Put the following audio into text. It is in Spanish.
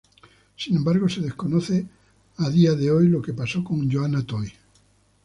Sin embargo, se desconoce a día de hoy lo que pasó con Joana Toy.